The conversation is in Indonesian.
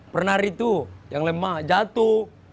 pernah ritu yang lemah jatuh